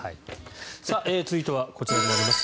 続いてはこちらになります。